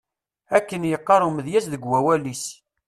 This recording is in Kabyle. Akken yeqqar umedyaz deg wawal-is.